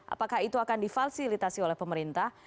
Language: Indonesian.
apakah itu akan difasilitasi oleh pemerintah